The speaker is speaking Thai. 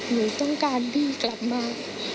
หนูต้องการพี่กลับมา